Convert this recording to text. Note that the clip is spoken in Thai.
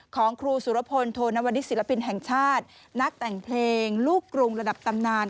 ของครูสุรพลโทนวนิสศิลปินแห่งชาตินักแต่งเพลงลูกกรุงระดับตำนาน